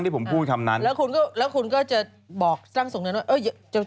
แล้วคุณก็จะตั้งด้วยว่า